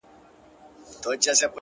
خپـله گرانـه مړه مي په وجود كي ده”